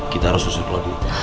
kita harus urus dulu